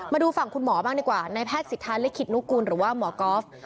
มาดูฝั่งคุณหมอบ้างดีกว่าในแพทย์สิทธาลิขิตนุกูลหรือว่าหมอก๊อฟ